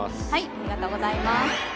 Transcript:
ありがとうございます。